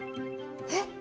えっ？